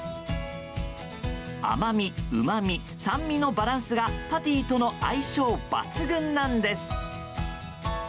甘味、うまみ、酸味のバランスがパティとの相性抜群なんです。